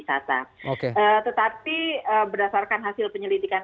jadi yang orang orang dan karyawan itu salah satu berdasarkan